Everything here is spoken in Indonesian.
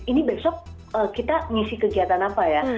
ini besok kita ngisi kegiatan apa ya